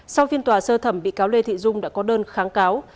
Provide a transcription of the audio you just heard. sau phiên tòa sơ thẩm bị cáo lê thị dung đã có đơn kháng cáo